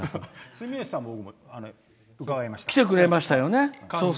住吉さんも。来てくれましたよね。